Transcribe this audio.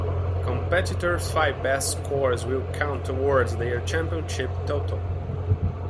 Competitors five best scores will count towards their championship total.